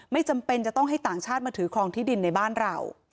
ไม่จำเป็นจะต้องให้ต่างชาติมาถือครองที่ดินในบ้านเรา